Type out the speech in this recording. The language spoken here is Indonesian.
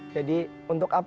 jadi untuk apa